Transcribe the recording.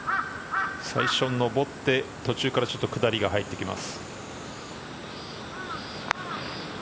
最初、上って途中からちょっと下りが入ってきます。